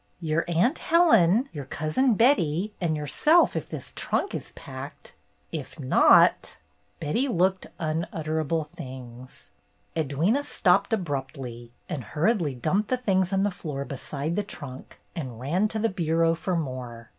"Your Aunt Helen, your Cousin Betty, and yourself if this trunk is packed. If not —" Betty looked unutterable things. Edwyna stopped abruptly and hurriedly dumped the things on the floor beside the trunk and ran to the bureau for more.